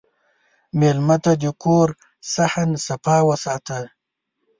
مېلمه ته د کور صحن صفا وساته.